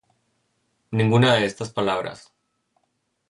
Ninguna de estas palabras: